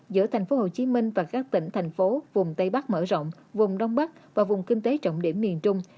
giữa tp hcm và các tỉnh thành phố vùng tây bắc mở rộng vùng đông bắc và vùng kinh tế trọng điểm miền trung